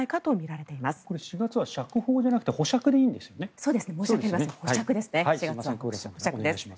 これ、４月は釈放じゃなくて保釈でいいんですよね。